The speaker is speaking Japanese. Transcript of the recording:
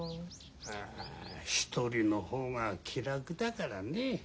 あ一人の方が気楽だからねえ。